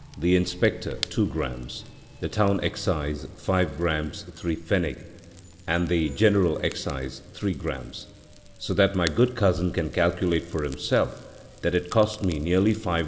the inspector 2 gr. the town excise 5 gr. 3 pf. and the general excise 3 gr., so that my good cousin can calculate for himself that it cost me nearly 5 gr.